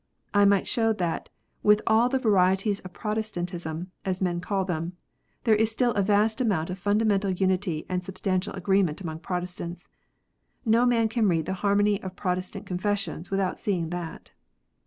I might show that, with all the "varieties of Protestantism," as men call them, there is still a vast amount of fundamental unity and substantial agreement among Protestants. ]N"o man can read the Harmony of Protestant Confessions without seeing that.